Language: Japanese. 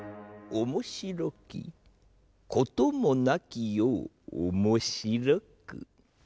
おもしろきこともなき世をおもしろく。